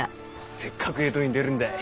せっかく江戸に出るんだい。